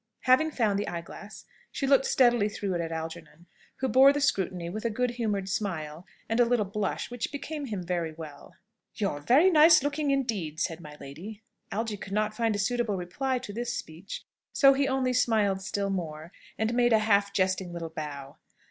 Having found the eye glass, she looked steadily through it at Algernon, who bore the scrutiny with a good humoured smile and a little blush, which became him very well. "You're very nice looking, indeed," said my lady. Algy could not find a suitable reply to this speech, so he only smiled still more, and made a half jesting little bow.